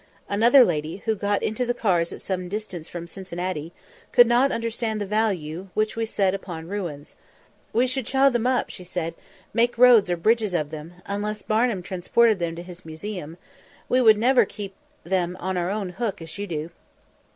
Another lady, who got into the cars at some distance from Cincinnati, could not understand the value which we set upon ruins. "We should chaw them up," she said, "make roads or bridges of them, unless Barnum transported them to his museum: we would never keep them on our own hook as you do."